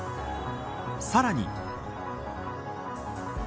さらに。